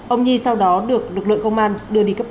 ông nhi sau đó được lực lượng công an đưa đi cấp cứu